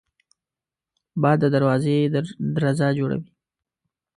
باد د دروازې درزا جوړوي